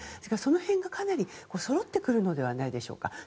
その辺が、かなりそろってくるのではないでしょうか。